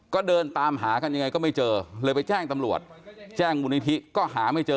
ก็เดินตามหากันยังไงก็ไม่เจอเลยไปแจ้งตำรวจแจ้งมูลนิธิก็หาไม่เจอ